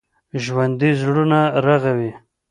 ژوندي زړونه رغوي